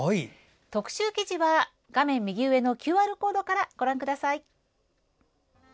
特集記事は画面右上のＱＲコードからご覧ください。